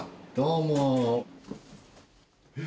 どうも。